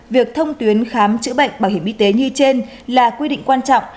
việc thông tuyến khám chữa bệnh bảo hiểm y tế như trên là quy định quan trọng